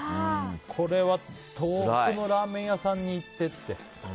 これは、遠くのラーメン屋さんに行ってって。